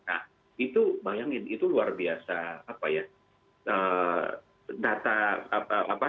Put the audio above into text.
nah itu bayangin itu luar biasa apa ya